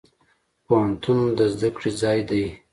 پوهنتون د زده کړي ځای دی.